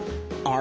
あ！